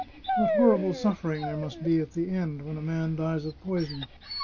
What horrible suflfering there must be at the end when a man dies of poison!